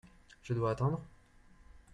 Je dois attendre ?